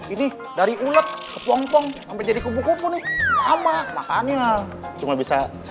ini dari ulet kepong pong sampai jadi kubu kubu nih lama makannya cuma bisa